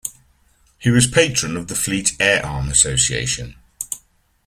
He was Patron of the Fleet Air Arm Association.